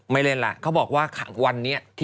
เล่นล่ะเขาบอกว่าวันนี้